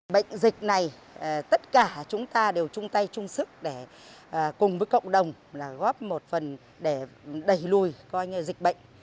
bệnh dịch này tất cả chúng ta đều chung tay chung sức để cùng với cộng đồng góp một phần để đẩy lùi coi như dịch bệnh